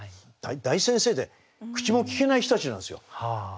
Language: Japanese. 大先生で口もきけない人たちなんですよ。